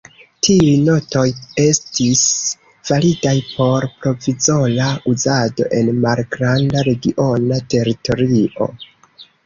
Tiuj notoj estis validaj por provizora uzado en malgranda regiona teritorio.